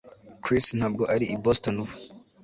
Chris ntabwo ari i Boston ubu